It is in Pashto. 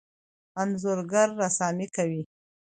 انځورګر رسامي کوي.